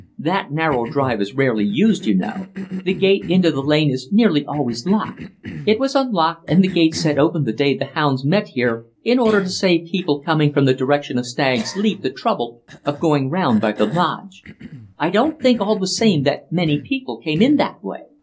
That narrow drive is rarely used, you know; the gate into the lane is nearly always locked it was unlocked and the gate set open the day the hounds met here in order to save people coming from the direction of Stag's Leap the trouble of going round by the lodge. I don't think, all the same, that many people came in that way."